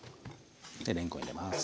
でれんこん入れます。